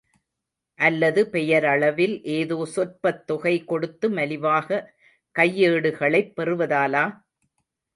அல்லது பெயரளவில் ஏதோ சொற்பத் தொகை கொடுத்து மலிவாக கையேடுகளைப் பெறுவதாலா?